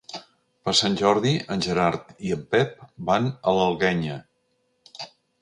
Per Sant Jordi en Gerard i en Pep van a l'Alguenya.